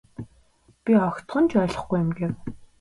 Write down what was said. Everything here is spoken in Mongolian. Би огтхон ч ойлгохгүй юм гэв.